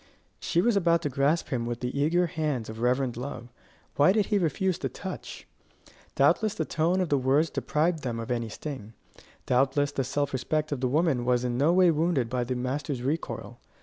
She was about to grasp him with the eager hands of reverent love: why did he refuse the touch? Doubtless the tone of the words deprived them of any sting. Doubtless the self respect of the woman was in no way wounded by the master's recoil.